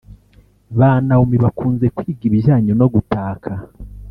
Ba Naomi bakunze kwiga ibijyanye no gutaka